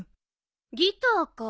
ギターか。